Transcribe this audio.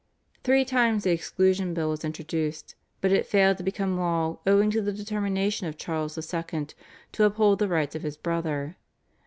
Three times the Exclusion Bill was introduced, but it failed to become law owing to the determination of Charles II. to uphold the rights of his brother.